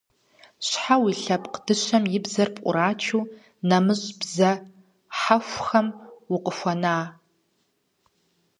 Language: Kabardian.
Щхьэ уи лъэпкъ дыщэм и бзэр пӀурачу нэмыщӀ бзэ хьэхухэм укъыхуэна?